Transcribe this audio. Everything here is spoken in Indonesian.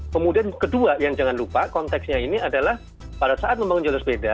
kemudian kedua yang jangan lupa konteksnya ini adalah pada saat membangun jalur sepeda